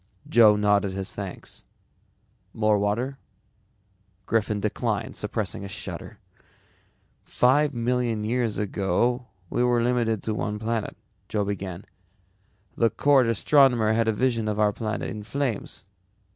Joe nodded his thanks. "More water?" Griffin declined, suppressing a shudder. "Five million years ago we were limited to one planet," Joe began. "The court astronomer had a vision of our planet in flames.